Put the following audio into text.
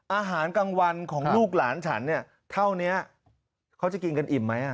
อาหารกลางวันของลูกหลานฉันเนี่ยเท่านี้เขาจะกินกันอิ่มไหม